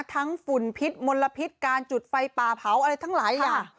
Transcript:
ทั้งฝุ่นพิษมลพิษการจุดไฟป่าเผาอะไรทั้งหลาย